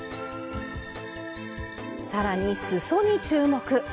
更にすそに注目！